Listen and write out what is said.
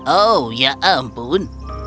oh ya ampun